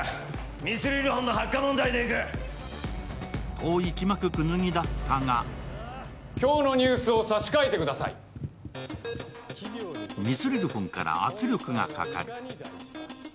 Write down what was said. と息巻く功刀だったがミスリルフォンから圧力がかかる。